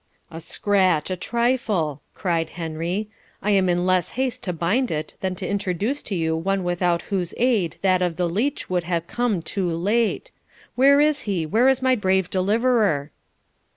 'A scratch, a trifle!' cried Henry. 'I am in less haste to bind it than to introduce to you one without whose aid that of the leech would have come too late. Where is he? where is my brave deliverer?'